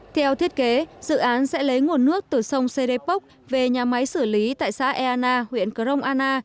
theo thiết kế dự án sẽ lấy nguồn nước từ sông sê đê pốc về nhà máy xử lý tại xã e ana huyện crong ana